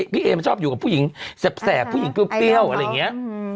เอมันชอบอยู่กับผู้หญิงแสบผู้หญิงเปรี้ยวอะไรอย่างนี้